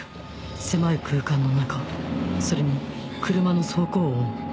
狭い空間の中それに車の走行音